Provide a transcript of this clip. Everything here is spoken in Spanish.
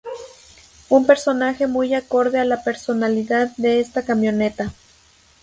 Un personaje muy acorde a la personalidad de esta camioneta.